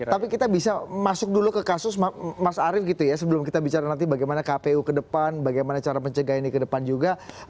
tapi kita bisa masuk dulu ke kasus mas arief gitu ya sebelum kita bicara nanti bagaimana kpu ke depan bagaimana cara mencegah ini ke depan juga